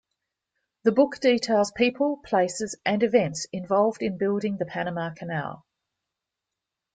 The book details people, places, and events involved in building the Panama Canal.